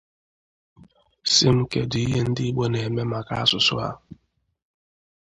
sị m Kedụ ihe ndị Igbo na-eme maka asụsụ ha